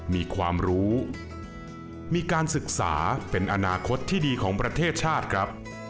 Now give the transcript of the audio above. มีความรู้มีการศึกษาเป็นอนาคตที่ดีของประเทศชาติครับ